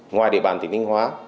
ngoài địa bàn tỉnh ninh hóa